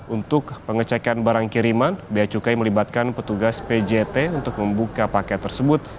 untuk pengecekan barang kiriman biaya cukai melibatkan petugas pjt untuk membuka paket tersebut